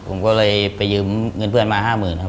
ผมก็เลยไปยืมเงินเพื่อนมา๕๐๐๐ครับ